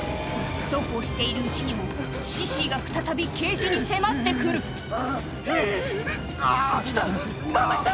そうこうしているうちにもシシーが再びケージに迫って来るヒィ来たまた来た！